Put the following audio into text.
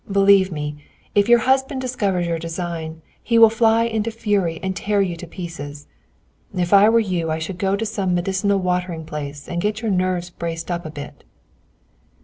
Believe me, if your husband discovers your design, he will fly into a fury and tear you to pieces. If I were you I should go to some medicinal watering place and get your nerves braced up a bit."